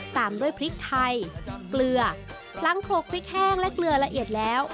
ตามด้วยพริกไทยเกลือหลังโครกพริกแห้งและเกลือละเอียดแล้ว